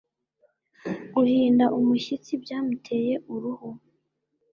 Guhinda umushyitsi byamuteye uruhu